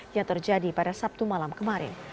yang terjadi pada sabtu malam kemarin